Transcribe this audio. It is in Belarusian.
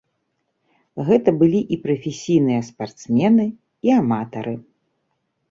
Гэта былі і прафесійныя спартсмены, і аматары.